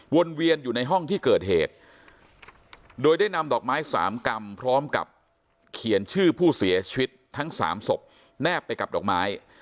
เวียนอยู่ในห้องที่เกิดเหตุโดยได้นำดอกไม้สามกรรมพร้อมกับเขียนชื่อผู้เสียชีวิตทั้งสามศพแนบไปกับดอกไม้